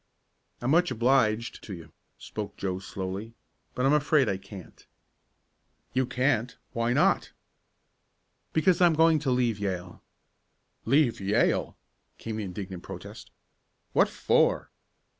"I'm much obliged to you," spoke Joe slowly, "but I'm afraid I can't." "You can't! Why not?" "Because I'm going to leave Yale!" "Leave Yale!" came the indignant protest. "What for?"